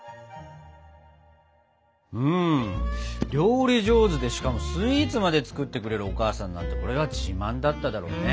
うん料理上手でしかもスイーツまで作ってくれるお母さんなんてこれは自慢だっただろうね。